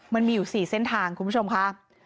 มันมีอยู่๔เส้นทางคุณผู้ชมค่ะ